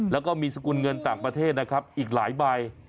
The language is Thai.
แล้วก็มีสกุลเงินต่างประเทศนะครับอีกหลายใบ